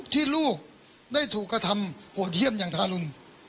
ที่ลูกได้ถูกกระทำโหดเยี่ยมอย่างทารุณ